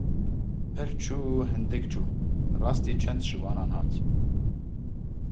Pir çû hindik çû, rastî çend şivanan hat.